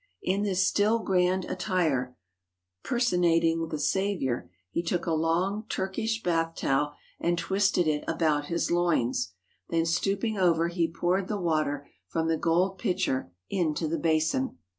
In this still grand attire personating the Saviour, he took a long Turkish bath towel and twisted it about his loins. Then stooping over he poured the water from the gold pitcher into the basin.